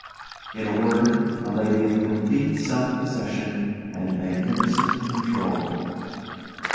In a word, a lady of complete self possession and magnificent control.